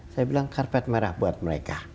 saya bilang karpet merah buat mereka